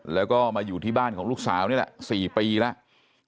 แล้วก็มาอยู่ที่บ้านของลูกสาวนี่แหละ๔ปีแล้ว